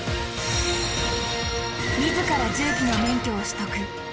自ら重機の免許を取得。